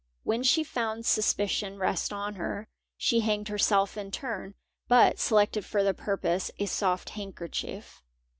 When she found suspicion rest on her, she hanged herself in turn, but selected for the purpose a soft handkerchief.